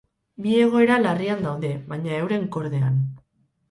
Bi egoera larrian daude, baina euren kordean.